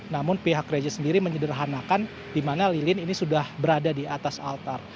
namun pihak gereja sendiri menyederhanakan di mana lilin ini sudah berada di atas altar